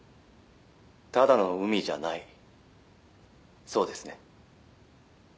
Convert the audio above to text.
「ただの海じゃないそうですね？」